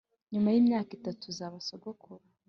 nyuma yimyaka itatu, uzaba sogokuru